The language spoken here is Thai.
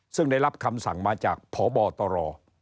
ซึ่งได้รับคำสั่งมาจากพบตร